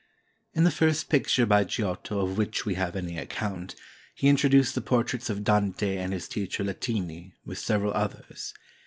In the first picture by Giotto of which we have any account, he introduced the portraits of Dante and his teacher Latini, with several others.